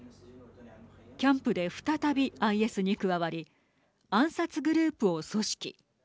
キャンプで再びＩＳに加わり暗殺グループを組織。